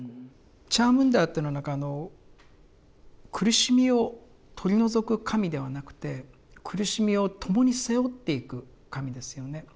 チャームンダーっていうのは苦しみを取り除く神ではなくて苦しみを共に背負っていく神ですよね。